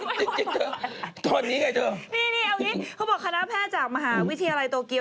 นี่เอาอย่างนี้เขาบอกคณะแพทย์จากมหาวิทยาลัยโตเกียว